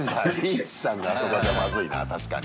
リーチさんがあそこじゃまずいな確かに。